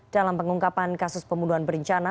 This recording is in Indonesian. dalam pengungkapan kasus pembunuhan berencana